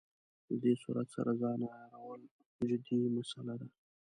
له دې سرعت سره ځان عیارول جدي مساله ده.